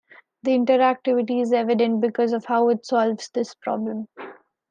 The interactivity is evident because of how it solves this problem.